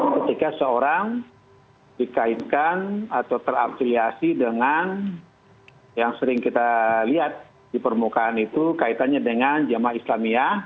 ketika seorang dikaitkan atau terafiliasi dengan yang sering kita lihat di permukaan itu kaitannya dengan jamaah islamiyah